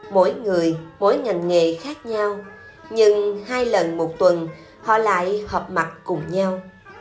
mỗi người mỗi ngành nghề khác nhau nhưng hai lần một tuần họ lại hợp mặt cùng nhau